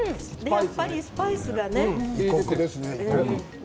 やっぱりスパイスですね。